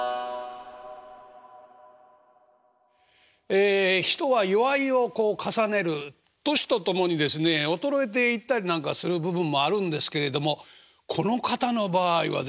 ええ人は齢を重ねる年とともにですね衰えていったりなんかする部分もあるんですけれどもこの方の場合はですね